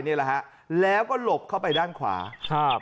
นี่แหละฮะแล้วก็หลบเข้าไปด้านขวาครับ